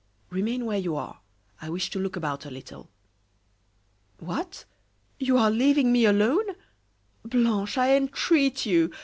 Remain where you are, I wish to look about a little." "What! you are leaving me alone? Blanche, I entreat you!